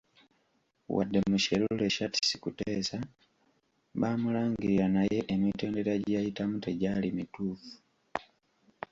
Wadde Musherure Shartis Kuteesa baamulangirira naye emitendera gye yayitamu tegyali mituufu.